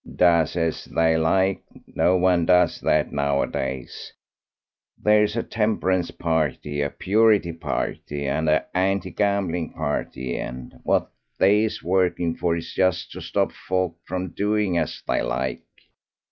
"Does as they like! No one does that nowadays. There's a temperance party, a purity party, and a hanti gambling party, and what they is working for is just to stop folk from doing as they like."